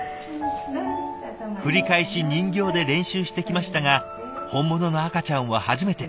繰り返し人形で練習してきましたが本物の赤ちゃんは初めて。